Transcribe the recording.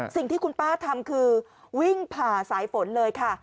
สิ่งที่คุณป้าทำคือวิ่งผ่าสายฝนเลยค่ะ